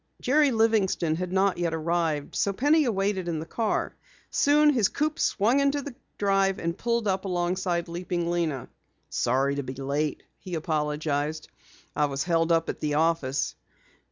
Jerry Livingston had not yet arrived, so Penny waited in the car. Soon his coupe swung into the drive and pulled up alongside Leaping Lena. "Sorry to be late," he apologized. "I was held up at the office."